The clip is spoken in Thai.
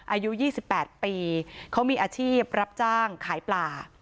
อายุ๒๘ปีเขามีอาชีพรับจ้างขายปลา